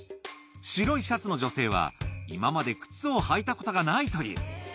白いシャツの女性は、今まで靴を履いたことがないという。